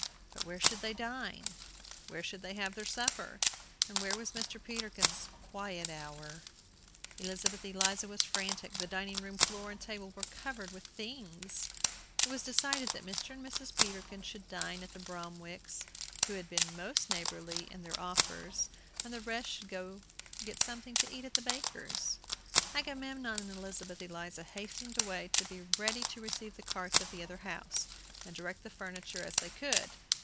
But where should they dine? where should they have their supper? and where was Mr. Peterkin's "quiet hour"? Elizabeth Eliza was frantic; the dining room floor and table were covered with things. It was decided that Mr. and Mrs. Peterkin should dine at the Bromwicks, who had been most neighborly in their offers, and the rest should get something to eat at the baker's. Agamemnon and Elizabeth Eliza hastened away to be ready to receive the carts at the other house, and direct the furniture as they could.